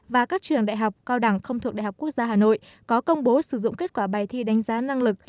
và các trường đại học cao đẳng không thuộc đhqh có công bố sử dụng kết quả bài thi đánh giá năng lực